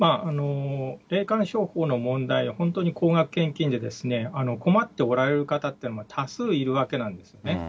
霊感商法の問題、本当に高額献金で、困っておられる方って多数いるわけなんですね。